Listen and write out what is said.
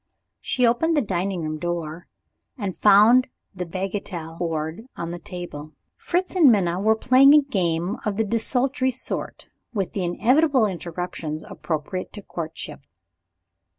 She opened the dining room door, and found the bagatelle board on the table. Fritz and Minna were playing a game of the desultory sort with the inevitable interruptions appropriate to courtship.